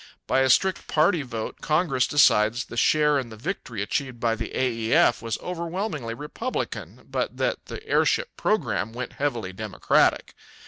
By a strict party vote Congress decides the share in the victory achieved by the A.E.F. was overwhelmingly Republican, but that the airship program went heavily Democratic.